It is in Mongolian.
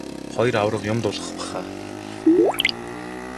Хоёр аварга юм дуулгах байх аа.